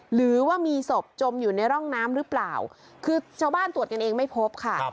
หรือว่ามีศพจมอยู่ในร่องน้ำหรือเปล่าคือชาวบ้านตรวจกันเองไม่พบค่ะ